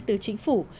từ chính phủ